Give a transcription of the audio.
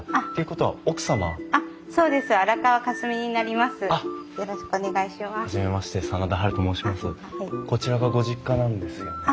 こちらがご実家なんですよね？